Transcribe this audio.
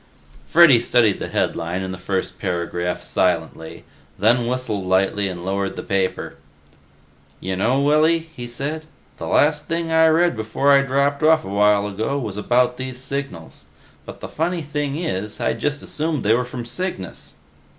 Freddy studied the headline and the first paragraph silently, then whistled lightly and lowered the paper. "Y'know, Willy," he said, "the last thing I read before I dropped off a while ago was about these signals. But the funny thing is, I'd just assumed they were from Cygnus."